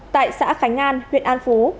tại xã khánh an huyện an phú